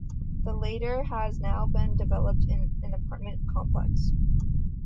The latter has now been developed into an apartment complex.